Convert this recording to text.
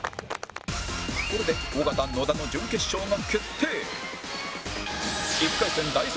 これで尾形野田の準決勝が決定